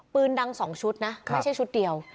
ปืนดัง๒ชุดนะไม่ใช่ชุดเดียว